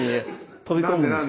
飛び込むんです。